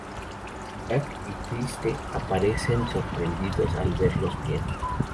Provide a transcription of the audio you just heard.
Jack y Triste aparecen sorprendidos al verlos bien.